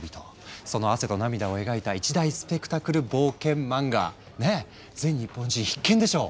その汗と涙を描いた一大スペクタクル冒険漫画ねえ全日本人必見でしょう。